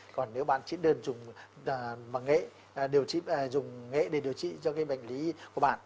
còn nếu bạn chỉ đơn dùng nghệ để điều trị cho cái bệnh lý của bạn